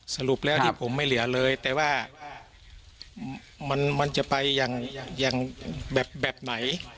สรุปแล้วที่ผมไม่เหลือเลยแต่ว่ามันจะไปอย่างแบบไหน